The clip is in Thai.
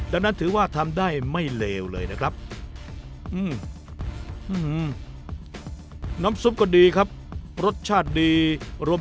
ดังนั้นถือว่าทำได้ไม่เลวเลยนะครับ